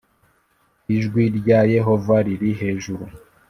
Ijwi rya Yehova riri hejuru